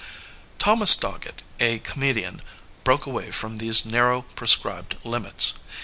Thomas Dogget, a comedian, broke away from these narrow, prescribed limits.